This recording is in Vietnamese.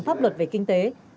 pháp luật về kinh tế